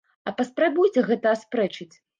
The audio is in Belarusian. А паспрабуеце гэта аспрэчыць?